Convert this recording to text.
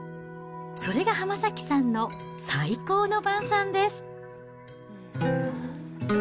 それが浜崎さんの最高の晩さんです。